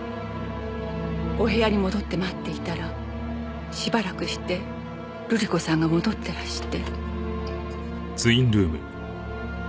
お部屋に戻って待っていたらしばらくして瑠璃子さんが戻ってらして。